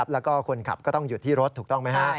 และก็คุณขับก็ต้องอยู่ที่รถที่รถถูกต้องไหมครับ